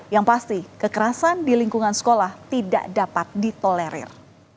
yang pasti kekerasan di lingkungan sekolah tidak dapat ditolerir